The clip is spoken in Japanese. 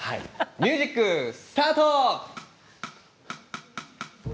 ミュージックスタート。